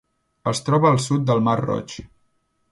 Es troba al sud del mar Roig.